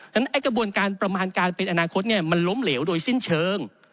ฉะกระบวนการประมาณการเป็นอนาคตมันล้มเหลวโดยสิ้นเชิง